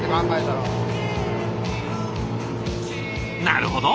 なるほど！